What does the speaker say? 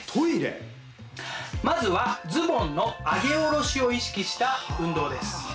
まずはズボンの上げ下ろしを意識した運動です。